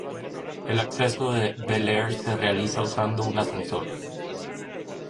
El acceso de Bel-Air se realiza usando un ascensor.